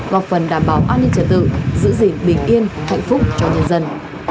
góp phần đảm bảo an ninh trật tự giữ gìn bình yên hạnh phúc cho nhân dân